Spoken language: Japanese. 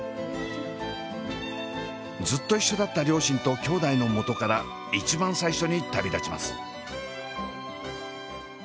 ずっと一緒だった両親ときょうだいのもとから一番最初に旅立ちます。